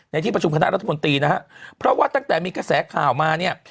ที่ประชุมคณะรัฐมนตรีนะฮะเพราะว่าตั้งแต่มีกระแสข่าวมาเนี่ย